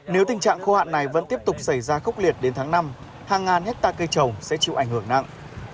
nếu tình trạng khô hạn này vẫn tiếp tục xảy ra khốc liệt đến tháng năm hàng ngàn hectare cây trồng sẽ chịu ảnh hưởng nặng